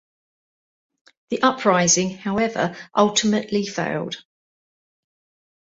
The uprising, however, ultimately failed.